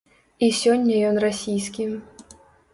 І сёння ён расійскі.